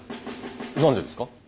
何でですか？